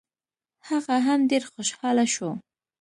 هغه هم ډېر خوشحاله شو.